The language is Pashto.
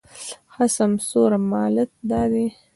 ښه سمسوره مالت دا دی